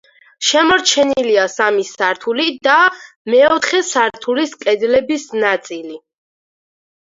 შემორჩენილია სამი სართული და მეოთხე სართულის კედლების ნაწილი.